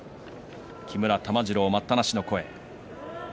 木村玉治郎、待ったなしの声。